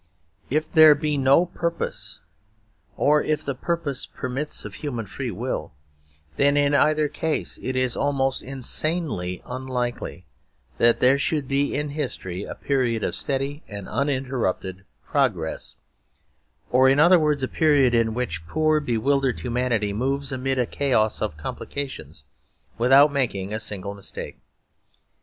If there be no purpose, or if the purpose permits of human free will, then in either case it is almost insanely unlikely that there should be in history a period of steady and uninterrupted progress; or in other words a period in which poor bewildered humanity moves amid a chaos of complications, without making a single mistake.